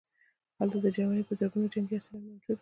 هلته د جرمني په زرګونه جنګي اسیران موجود وو